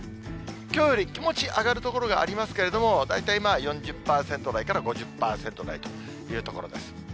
きょうより気持ち上がる所がありますけれども、大体まあ４０％台から５０％台というところです。